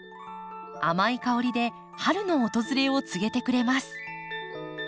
甘い香りで春の訪れを告げてくれます。